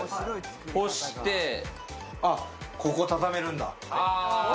干して、ここたためるんだ。